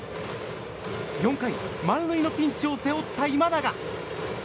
４回、満塁のピンチを背負った今永。